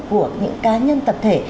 của những cá nhân tập thể